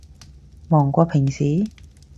忙過平時？